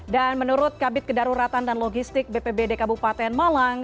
dan menurut kabit kedaruratan dan logistik bpbd kabupaten malang